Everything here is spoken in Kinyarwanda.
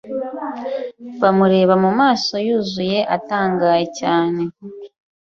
Bamureba mumaso Yuzura atangaye cyane